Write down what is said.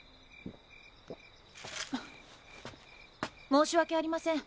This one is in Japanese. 申し訳ありません。